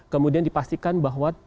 kemudian dipastikan bahwa